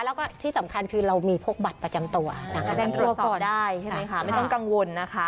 แล้วก็ที่สำคัญคือเรามีพวกบัตรประจำตัวนะคะตรวจสอบได้ใช่ไหมคะไม่ต้องกังวลนะคะ